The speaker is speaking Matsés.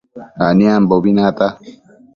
Aniambobi nata